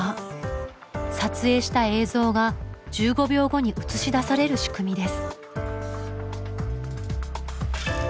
撮影した映像が１５秒後に映し出される仕組みです。